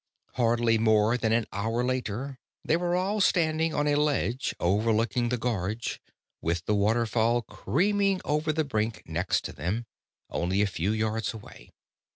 Hardly more than an hour later they were all standing on a ledge overlooking the gorge, with the waterfall creaming over the brink next to them, only a few yards away.